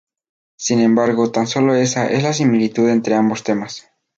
Sin embargo tan sólo esa es la similitud entre ambos temas.